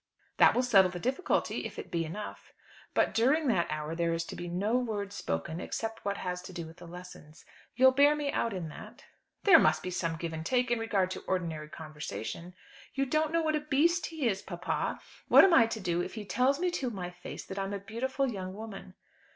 "That will settle the difficulty; if it be enough." "But during that hour, there is to be no word spoken except what has to do with the lessons. You'll bear me out in that?" "There must be some give and take in regard to ordinary conversation." "You don't know what a beast he is, papa. What am I to do if he tells me to my face that I'm a beautiful young woman?"